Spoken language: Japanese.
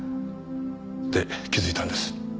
で気づいたんです。